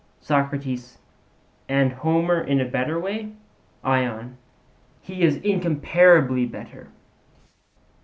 SOCRATES: And Homer in a better way? ION: He is incomparably better.